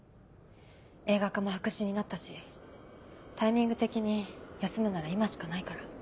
映画化も白紙になったしタイミング的に休むなら今しかないから。